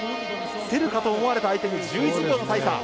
競るかと思われた相手に１１秒の大差。